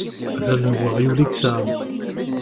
D allen n weɣyul i yesɛa.